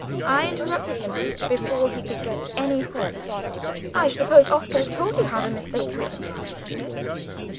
I interrupted him, before he could get any farther. "I suppose Oscar has told you how the mistake happened?" I said.